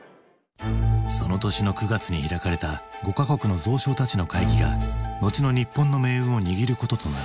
その年の９月に開かれた５か国の蔵相たちの会議が後の日本の命運を握ることとなる。